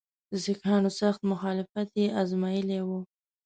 د سیکهانو سخت مخالفت یې آزمېیلی وو.